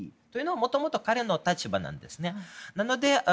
というのが元々の彼の立場なんですね。